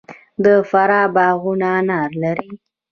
د فراه باغونه انار لري.